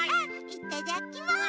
いただきます！